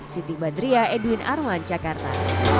siti bandria edwin arwan jakarta